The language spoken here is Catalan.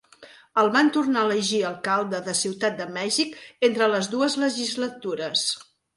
El van tornar a elegir alcalde de Ciutat de Mèxic entre les dues legislatures.